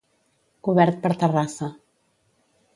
Cobert per terrassa.